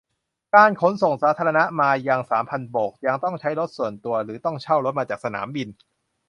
การขนส่งสาธารณะมายังสามพันโบกยังต้องใช้รถส่วนตัว หรือ ต้องเช่ารถมาจากสนามบิน